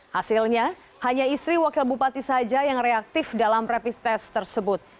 hasilnya hanya istri wakil bupati saja yang reaktif dalam rapid test tersebut